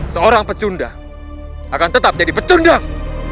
seorang pecundang akan tetap jadi pecundang